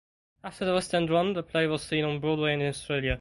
After the West End run the play was seen on Broadway and in Australia.